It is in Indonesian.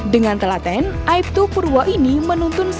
dengan telaten aitu purwo ini menuntun sikuncung ini